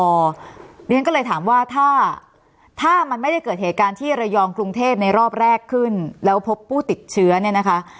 เพราะฉะนั้นก็เลยถามว่าถ้ามันไม่ได้เกิดเหตุการณ์ที่ระยองกรุงเทพในรอบแรกขึ้นแล้วพบผู้ติดเชื้อเนี่ยนะคะ